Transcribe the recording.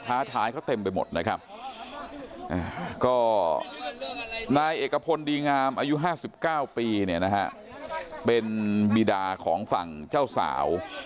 ท้ายเขาเต็มไปหมดนะครับก็นายเอกพลดีงามอายุ๕๙ปีเนี่ยนะฮะเป็นบีดาของฝั่งเจ้าสาว